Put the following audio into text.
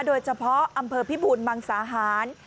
โดยเฉพาะอำเภอพิบูรมังสาหาร